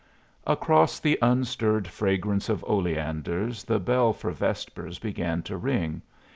Across the unstirred fragrance of oleanders the bell for vespers began to ring.